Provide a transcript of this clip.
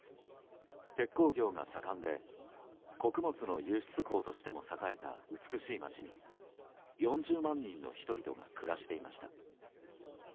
鉄鋼業が盛んで穀物の輸出港としても栄えた美しい街に４０万人の人々が暮らしていました。